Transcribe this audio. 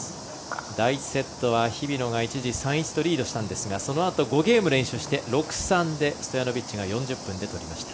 第１セットは日比野が一時３−１とリードしたんですがそのあと、５ゲーム連取して６−３でストヤノビッチが４０分で取りました。